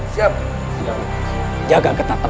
saya akan meng html satu